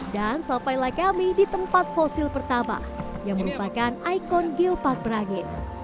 dan sampai lah kami di tempat fosil pertama yang merupakan ikon geopark berangin